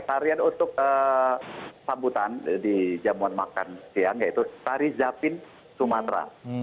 tarian untuk pambutan di jamuan makan siang yaitu tari zabin sumatra